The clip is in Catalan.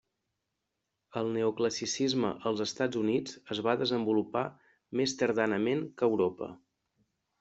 El neoclassicisme als Estats Units es va desenvolupar més tardanament que a Europa.